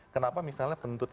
kenapa misalnya penuntut ini